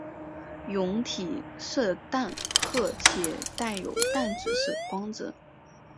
蛹体色淡褐且带有淡紫色光泽。